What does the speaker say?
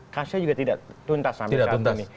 kasusnya juga tidak tuntas sampai saat ini